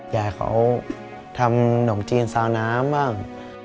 ย่าเขาทำหนงจีนเซาน้ำบ้าง